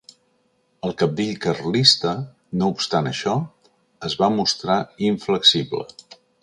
El cabdill carlista, no obstant això, es va mostrar inflexible.